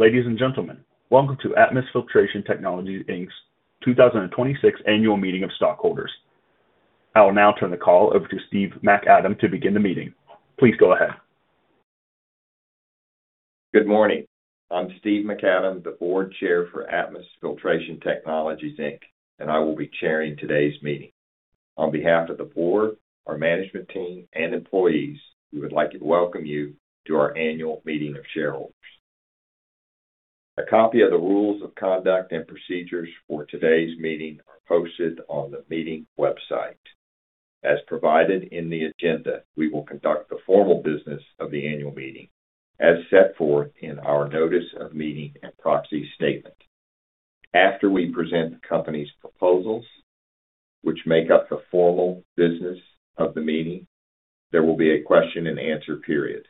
Ladies and gentlemen, welcome to Atmus Filtration Technologies Inc's 2026 Annual Meeting of Stockholders. I will now turn the call over to Steve Macadam to begin the meeting. Please go ahead. Good morning. I'm Steve Macadam, the board chair for Atmus Filtration Technologies Inc, and I will be chairing today's meeting. On behalf of the board, our management team, and employees, we would like to welcome you to our annual meeting of shareholders. A copy of the rules of conduct and procedures for today's meeting are posted on the meeting website. As provided in the agenda, we will conduct the formal business of the annual meeting as set forth in our notice of meeting and proxy statement. After we present the company's proposals, which make up the formal business of the meeting, there will be a question and answer period.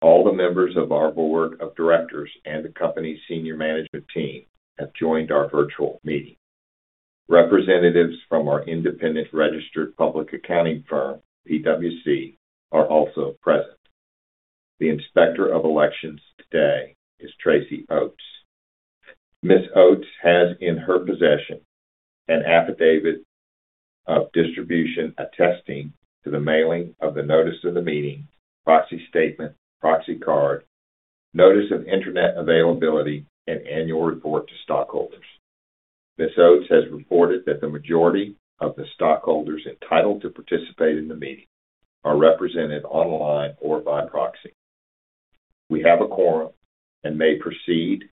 All the members of our board of directors and the company's senior management team have joined our virtual meeting. Representatives from our independent registered public accounting firm, PricewaterhouseCoopers, are also present. The Inspector of Elections today is Tracy Oats. Ms. Oats has in her possession an affidavit of distribution attesting to the mailing of the notice of the meeting, proxy statement, proxy card, notice of Internet availability, and annual report to stockholders. Ms. Oats has reported that the majority of the stockholders entitled to participate in the meeting are represented online or by proxy. We have a quorum and may proceed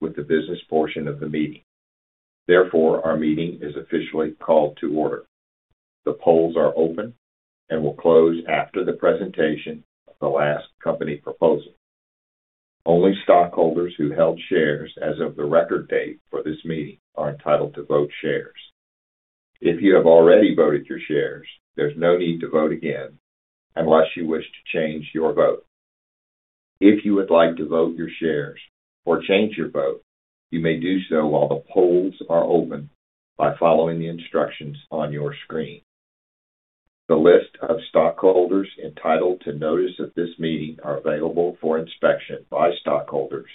with the business portion of the meeting. Our meeting is officially called to order. The polls are open and will close after the presentation of the last company proposal. Only stockholders who held shares as of the record date for this meeting are entitled to vote shares. If you have already voted your shares, there's no need to vote again unless you wish to change your vote. If you would like to vote your shares or change your vote, you may do so while the polls are open by following the instructions on your screen. The list of stockholders entitled to notice of this meeting are available for inspection by stockholders.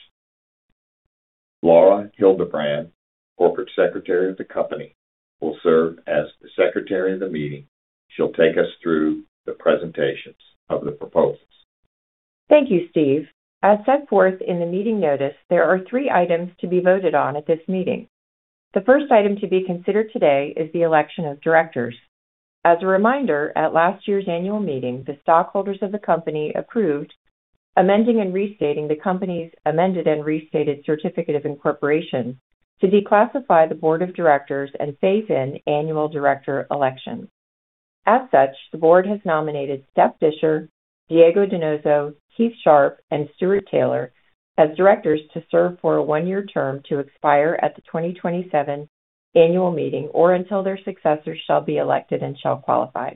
Laura Heltebran, Corporate Secretary of the company, will serve as the secretary of the meeting. She'll take us through the presentations of the proposals. Thank you, Steve. As set forth in the meeting notice, there are three items to be voted on at this meeting. The first item to be considered today is the election of directors. As a reminder, at last year's annual meeting, the stockholders of the company approved amending and restating the company's amended and restated certificate of incorporation to declassify the board of directors and phase in annual director elections. As such, the board has nominated Stephanie Disher, Diego Donoso, Heath Sharp, and Stuart Taylor as directors to serve for a 1-year term to expire at the 2027 annual meeting or until their successors shall be elected and shall qualify.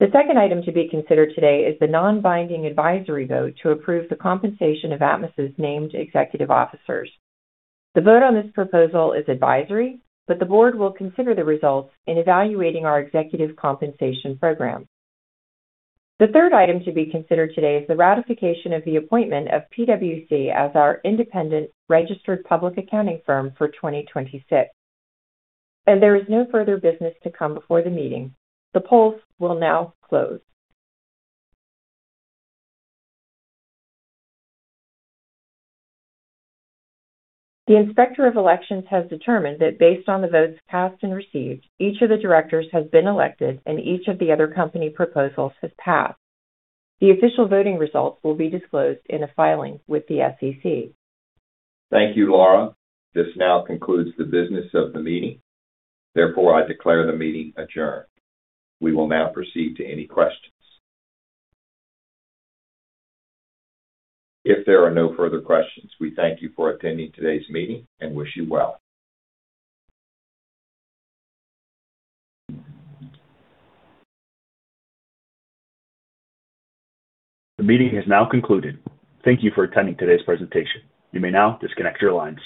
The second item to be considered today is the non-binding advisory vote to approve the compensation of Atmus' named executive officers. The vote on this proposal is advisory, but the board will consider the results in evaluating our executive compensation program. The third item to be considered today is the ratification of the appointment of PwC as our independent registered public accounting firm for 2026. As there is no further business to come before the meeting, the polls will now close. The Inspector of Elections has determined that based on the votes cast and received, each of the directors has been elected and each of the other company proposals has passed. The official voting results will be disclosed in a filing with the SEC. Thank you, Laura. This now concludes the business of the meeting. Therefore, I declare the meeting adjourned. We will now proceed to any questions. If there are no further questions, we thank you for attending today's meeting and wish you well. The meeting has now concluded. Thank you for attending today's presentation. You may now disconnect your lines.